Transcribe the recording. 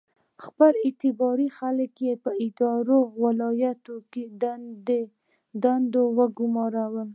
خپل اعتباري خلک یې په ادارو او ولایتونو کې په دندو وګومارل.